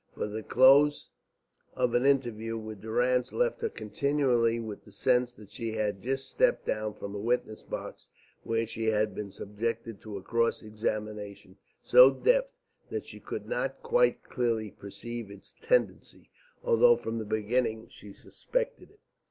For the close of an interview with Durrance left her continually with the sense that she had just stepped down from a witness box where she had been subjected to a cross examination so deft that she could not quite clearly perceive its tendency, although from the beginning she suspected it.